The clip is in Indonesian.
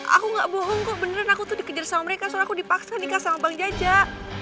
aku gak bohong kok beneran aku tuh dikejar sama mereka soal aku dipaksa nikah sama bang jaja